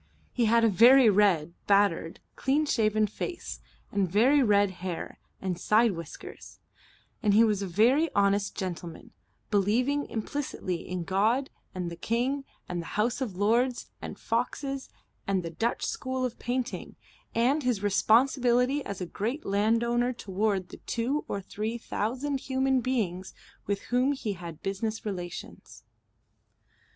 He had a very red, battered, clean shaven face and very red hair and side whiskers; and he was a very honest gentleman, believing implicitly in God and the King and the House of Lords, and Foxes, and the Dutch School of Painting, and his responsibility as a great landowner toward the two or three thousand human beings with whom he had business relations.